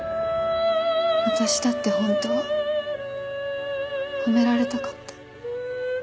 私だって本当は褒められたかった。